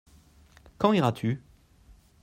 Quand iras-tu ?